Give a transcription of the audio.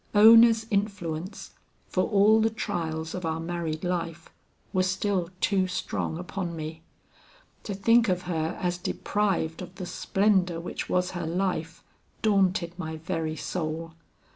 Ona's influence, for all the trials of our married life, was still too strong upon me. To think of her as deprived of the splendor which was her life, daunted my very soul.